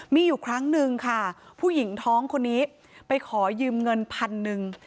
มีอยู่ครั้งหนึ่งค่ะผู้หญิงท้องคนนี้ไปขอยืมเงินพันหนึ่ง